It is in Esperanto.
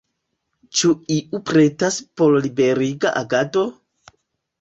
Ĉu iu pretas por liberiga agado?